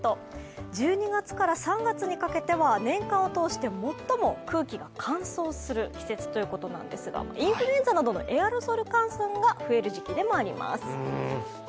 １２月から３月にかけては年間を通して最も空気が乾燥する季節ということなんですが、インフルエンザなどのエアロゾル感染が増える時期でもあります。